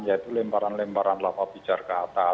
yaitu lemparan lemparan lapapijar ke atas